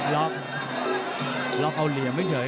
ล็อกล็อกเอาเหลี่ยมเฉย